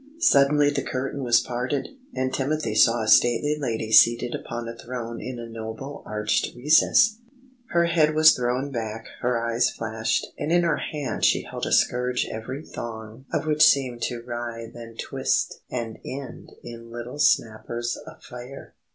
Suddenly the curtain was parted, and Timothy saw a stately Lady seated upon a throne in a noble arched recess. Her head was thrown back, her eyes flashed, and in her hand she held a scourge every thong of which seemed to writhe and twist and end in little snappers of fire.